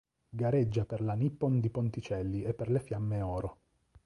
Gareggia per la Nippon di Ponticelli e per le Fiamme Oro.